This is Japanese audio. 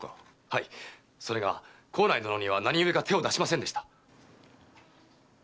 はいそれが幸内殿には何故か手を出しませんでした。